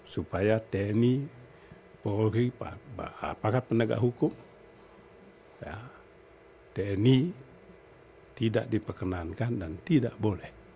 supaya tni polri aparat penegak hukum tni tidak diperkenankan dan tidak boleh